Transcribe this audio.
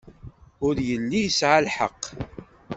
Ur yelli yesɛa lḥeqq.